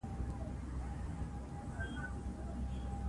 د ورورولۍ ژوند پیل کړئ.